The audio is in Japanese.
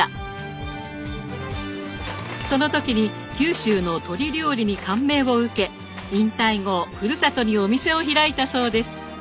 その時に九州の鶏料理に感銘を受け引退後ふるさとにお店を開いたそうです。